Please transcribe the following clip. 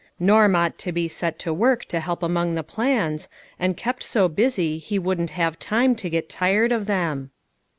Norm ought to be set to work to help along the plans, and kept so busy he wouldn't have time to get tired of them."